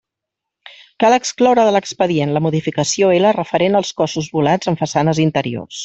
Cal excloure de l'expedient la modificació 'I' referent als cossos volats en façanes interiors.